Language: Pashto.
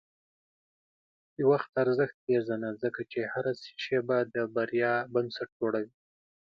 د وخت ارزښت پېژنه، ځکه چې هره شېبه د بریا بنسټ جوړوي.